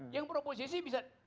yang beroposisi bisa